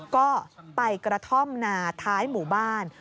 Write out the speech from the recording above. ก็ไปกระท่อมนาท้ายหมู่บ้าน